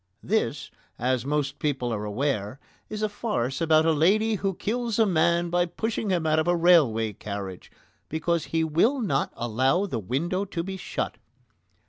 This, as most people are aware, is a farce about a lady who kills a man by pushing him out of a railway carriage because he will not allow the window to be shut.